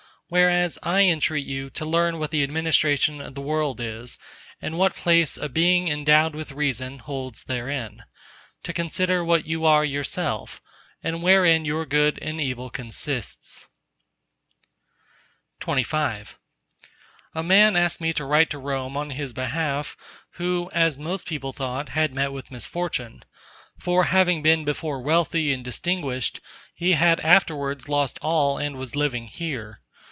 ... Whereas, I entreat you to learn what the administration of the World is, and what place a Being endowed with reason holds therein: to consider what you are yourself, and wherein your Good and Evil consists. XXV A man asked me to write to Rome on his behalf who, as most people thought, had met with misfortune; for having been before wealthy and distinguished, he had afterwards lost all and was living here.